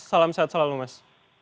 salam sehat selalu mas